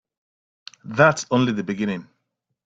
That's only the beginning.